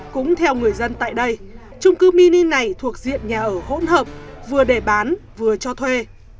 cũng theo người dân tại đây trung cư mini này thuộc diện nhà ở hỗn hợp vừa để bán vừa cho thuê